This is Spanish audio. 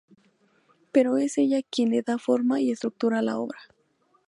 Pero es ella quien le da forma y estructura a la obra.